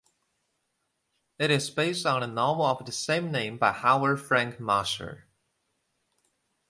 It is based on the novel of the same name by Howard Frank Mosher.